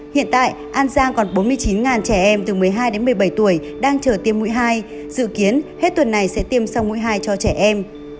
hiện tại an giang còn bốn mươi chín trẻ em từ một mươi hai đến một mươi bảy tuổi đang chờ tiêm mũi hai dự kiến hết tuần này sẽ tiêm sau mũi hai cho trẻ em